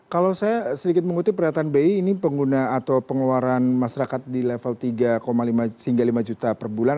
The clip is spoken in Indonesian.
kalau saya sedikit mengutip pernyataan bi ini pengguna atau pengeluaran masyarakat di level tiga lima hingga lima juta per bulan